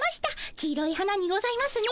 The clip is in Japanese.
黄色い花にございますね。